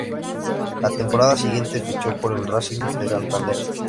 La temporada siguiente fichó por el Racing de Santander.